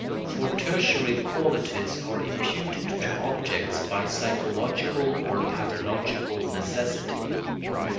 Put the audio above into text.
For tertiary qualities are imputed to objects by psychological or pathological necessity.